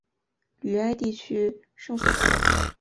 吕埃地区圣索弗。